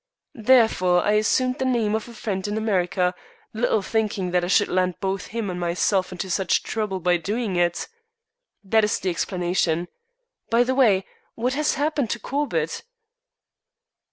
Therefore, I assumed the name of a friend in America, little thinking that I should land both him and myself into such trouble by doing it. That is the explanation. By the way, what has happened to Corbett?"